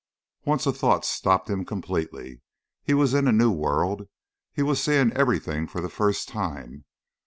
Once a thought stopped him completely. He was in a new world. He was seeing everything for the first time.